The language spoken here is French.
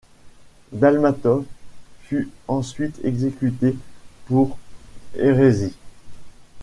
Dalmatov fut ensuite exécuté pour hérésie.